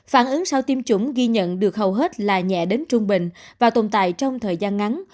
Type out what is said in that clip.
phản ứng sau tiêm chủng ghi nhận được hầu hết là nhẹ đến trung bình và tồn tại trong thời gian ngắn